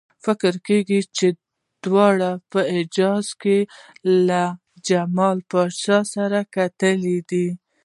فکر کېږي چې دواړو په حجاز کې له جمال پاشا سره کتلي دي.